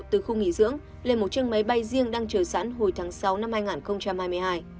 tài liệu từ khu nghỉ dưỡng lên một chiếc máy bay riêng đang chở sẵn hồi tháng sáu năm hai nghìn hai mươi hai